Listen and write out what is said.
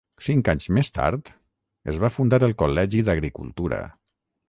Cinc anys més tard, es va fundar el Col·legi d'Agricultura.